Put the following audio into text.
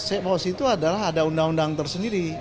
safe house itu adalah ada undang undang tersendiri